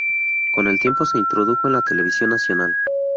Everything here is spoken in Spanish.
Con el tiempo se introdujo en la televisión nacional.